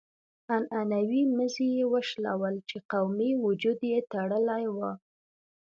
عنعنوي مزي يې وشلول چې قومي وجود يې تړلی و.